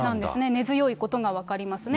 根強いことが分かりますね。